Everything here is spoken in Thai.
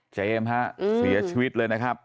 ฮะเสียชีวิตเลยนะครับ